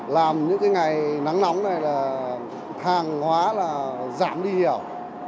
làm những cái ngày nắng nóng này là hàng hóa là giảm đi hiểu